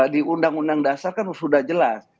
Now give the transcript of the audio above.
di undang undang dasar kan sudah jelas